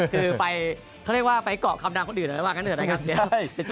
คือไปก่อความดังคนอื่นหรือกันเถอะ